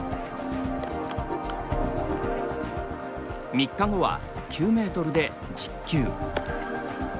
３日後は９メートルで１０球。